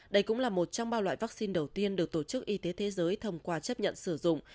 đây cũng là một trong ba loại vaccine đầu tiên được tổ chức y tế thế giới thông qua chấp nhận sử dụng